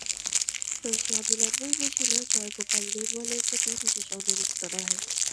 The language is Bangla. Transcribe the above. শশী অবিলম্বেই বুঝিল, জয়গোপাল নীলমণির প্রতি বিশেষ অনুরক্ত নহে।